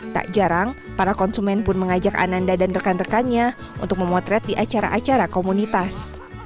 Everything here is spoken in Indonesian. tak jarang para konsumen pun mengajak ananda dan rekan rekannya untuk memotret di acara acara komunitas